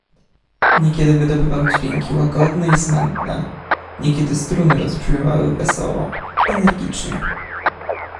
"Niekiedy wydobywał dźwięki łagodne i smętne, niekiedy struny rozbrzmiewały wesoło, energicznie."